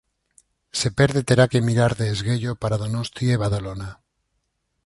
Se perde terá que mirar de esguello para Donosti e Badalona.